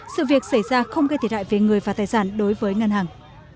sự việc xảy ra không gây thiệt hại về người và tài sản đối với ngân hàng